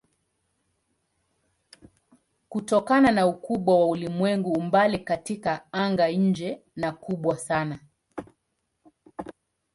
Kutokana na ukubwa wa ulimwengu umbali katika anga-nje ni kubwa sana.